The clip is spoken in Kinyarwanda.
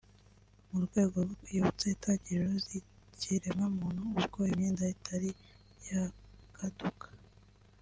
mu rwego rwo kwiyibutsa intangiriro z’ikiremwamuntu ubwo imyenda itari yakaduka